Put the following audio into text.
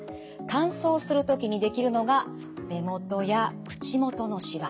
乾燥する時にできるのが目元や口元のしわ。